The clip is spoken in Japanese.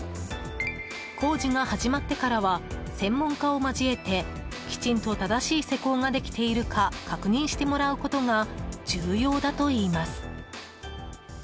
工事が始まってからは専門家を交えてきちんと正しい施工ができているか確認してもらうことが重要だといいます。